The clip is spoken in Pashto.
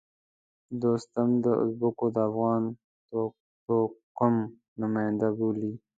دوستم د ازبکو د افغان توکم نماینده وبولي.